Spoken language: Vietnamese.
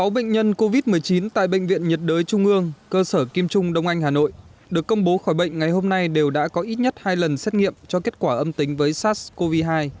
sáu bệnh nhân covid một mươi chín tại bệnh viện nhiệt đới trung ương cơ sở kim trung đông anh hà nội được công bố khỏi bệnh ngày hôm nay đều đã có ít nhất hai lần xét nghiệm cho kết quả âm tính với sars cov hai